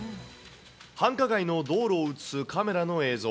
繁華街の道路を写すカメラの映像。